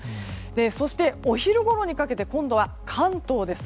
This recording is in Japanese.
そしてお昼ごろにかけて今度は関東です。